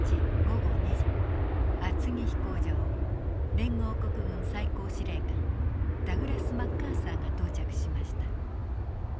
連合国軍最高司令官ダグラス・マッカーサーが到着しました。